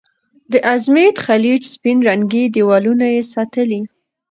د ازمېت خلیج سپین رنګي دیوالونه یې ستایلي.